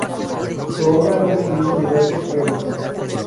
Su obra ha recibido diversos premios.